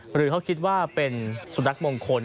หรือเขาคิดว่าเป็นสุนัขมงคล